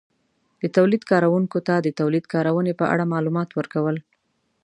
-د تولید کارونکو ته د تولید کارونې په اړه مالومات ورکول